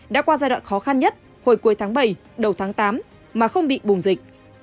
đã qua giai đoạn khó khăn nhất hồi cuối tháng bảy đầu tháng tám mà không bị bùng dịch